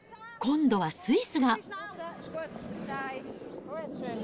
今度はスイスが。